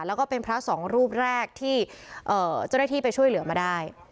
แล้วก็เป็นพระสองรูปแรกที่เจ้าหน้าที่ไปช่วยเหลือมาได้